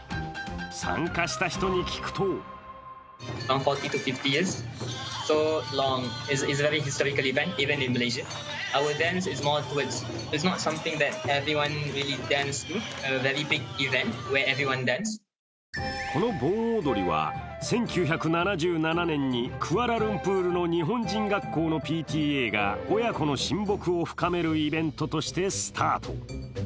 参加した人に聞くとこの盆踊りは１９７７年にクアラルンプールの日本人学校のＰＴＡが親子の親睦を深めるイベントとしてスタート。